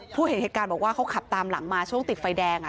เห็นเหตุการณ์บอกว่าเขาขับตามหลังมาช่วงติดไฟแดง